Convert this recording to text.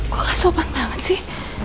gue gak sopan banget sih